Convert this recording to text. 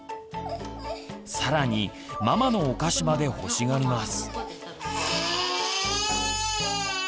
更にママのお菓子まで欲しがります。